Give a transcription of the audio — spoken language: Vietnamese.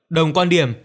đồng quan điểm